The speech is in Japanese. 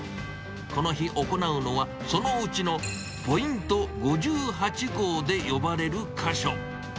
この日行うのは、そのうちのポイント５８号で呼ばれる箇所。